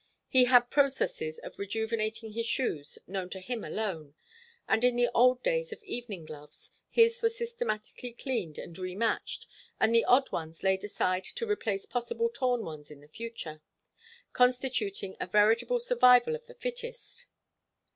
He had processes of rejuvenating his shoes known to him alone, and in the old days of evening gloves, his were systematically cleaned and rematched, and the odd ones laid aside to replace possible torn ones in the future, constituting a veritable survival of the fittest.